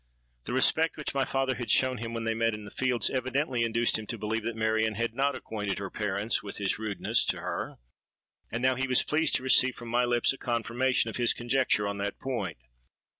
The respect which my father had shown him when they met in the fields, evidently induced him to believe that Marion had not acquainted her parents with his rudeness to her; and now he was pleased to receive from my lips a confirmation of his conjecture on that point.